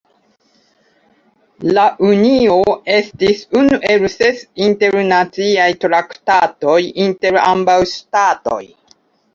La unio estis unu el ses internaciaj traktatoj inter ambaŭ ŝtatoj.